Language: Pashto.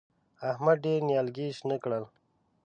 احمد ډېر نيالګي شنه کړل.